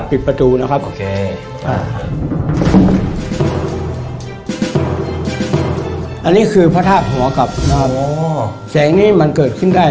ปิดประตูนะครับอันนี้คือพระธาตุหัวกลับแห่งนี้มันเกิดขึ้นได้